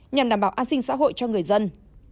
nhằm đảm bảo an sinh xã hội cho người dân